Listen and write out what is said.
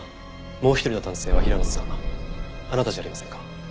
もう一人の男性は平松さんあなたじゃありませんか？